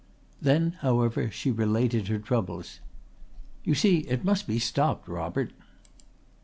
Then, however, she related her troubles. "You see it must be stopped, Robert."